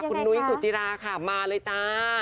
คุณนุ้ยสุจิราค่ะมาเลยจ้า